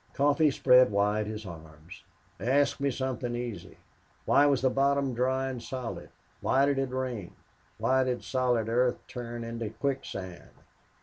Coffee spread wide his arms. "Ask me something easy. Why was the bottom dry and solid? Why did it rain? Why did solid earth turn into quicksand?"